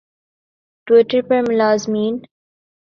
Twitter پر ملازمین